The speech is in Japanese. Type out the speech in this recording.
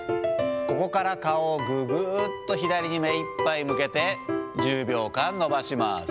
ここから顔をぐぐっとめいっぱい左に向けて、１０秒間伸ばします。